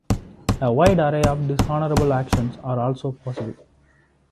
A wide array of dishonorable actions are also possible.